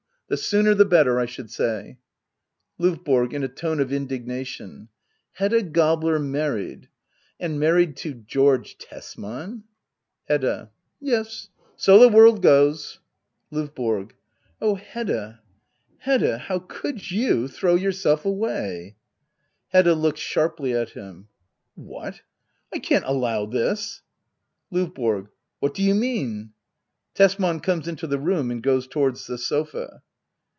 The sooner the better, I should say. LOVBORO. [In a tone of indignation,] Hedda Gabler mar ried ? And married to — George Tesman ! Hedda. Yes — so the world goes. LOVBORO. Oh, Hedda, Hedda — how could you^ throw yourself away I Hedda. [Looks sharply at him.] What ? I can't allow this! L&VBORO. What do you mean ? [Tesman comes into the room and goes towards the sofa.